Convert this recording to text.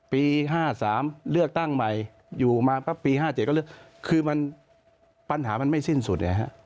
ปี๕๓เลือกตั้งใหม่อยู่มาปั๊บปี๕๗ก็เลือกคือมันปัญหามันไม่สิ้นสุด